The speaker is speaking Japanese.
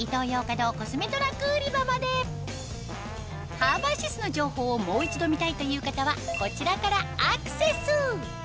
ＨＡＢＡｓｉｓの情報をもう一度見たいという方はこちらからアクセス！